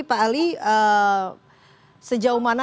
pak ali sejauh mana